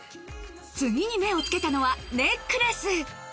次に目を付けたのはネックレス